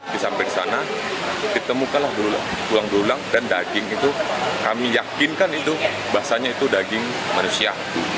disampai sana ditemukanlah tulang belulang dan daging itu kami yakinkan itu bahasanya itu daging manusia